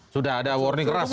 sudah ada warning keras